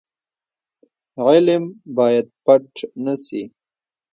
علم باید پټ نه سي.